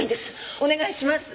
お願いします！